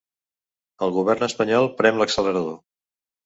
El govern espanyol prem l’accelerador.